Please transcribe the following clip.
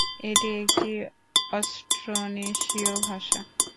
এটি একটি অস্ট্রোনেশীয় ভাষা।